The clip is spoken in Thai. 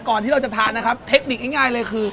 ที่เราจะทานนะครับเทคนิคง่ายเลยคือ